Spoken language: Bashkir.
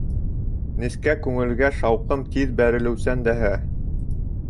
Нескә күңелгә шауҡым тиҙ бәрелеүсән дәһә.